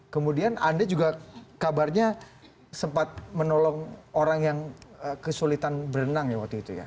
kemudian anda juga kabarnya sempat menolong orang yang kesulitan berenang ya waktu itu ya